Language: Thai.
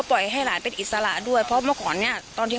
เพราะอาเองก็ดูข่าวน้องชมพู่